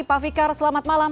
pak fikar selamat malam